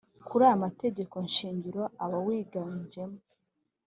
kuri aya mategeko shingiro Abawiganjemo